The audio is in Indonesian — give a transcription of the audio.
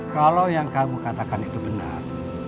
kalau yang kamu katakan itu benar